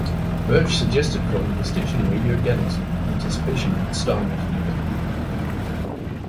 Birch suggested calling the station Radio Galaxy, in anticipation of its star-making ability.